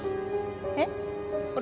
えっ？あれ？